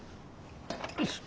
よいしょ。